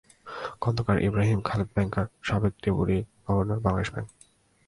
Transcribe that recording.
Khondakar Ibrahim Khaled banker, সাবেক deputy governor, Bangladesh bank.